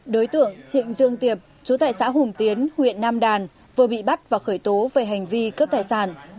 đối tượng trịnh dương tiệp chú tại xã hùng tiến huyện nam đàn vừa bị bắt và khởi tố về hành vi cướp tài sản